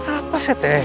apa sih teh